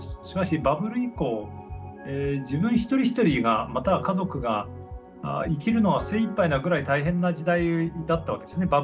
しかしバブル以降自分一人一人がまたは家族が生きるのは精いっぱいなぐらい大変な時代だったわけですね